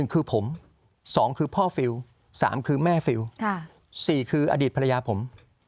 คือผม๒คือพ่อฟิล๓คือแม่ฟิล๔คืออดีตภรรยาผม